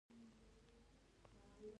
آیا د نري رنځ درملنه کیږي؟